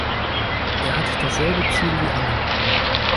Er hat dasselbe Ziel wie Anna.